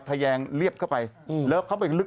แยงเรียบเข้าไปแล้วเข้าไปลึก